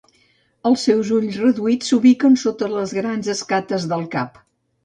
Els seus ulls reduïts s'ubiquen sota les grans escates del cap.